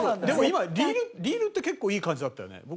でも今リールって結構いい感じだったよね。